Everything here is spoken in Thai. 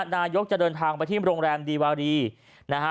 นายกจะเดินทางไปที่โรงแรมดีวารีนะฮะ